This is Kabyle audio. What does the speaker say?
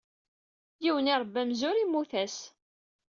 Yiwen irebba amzur, immut-as.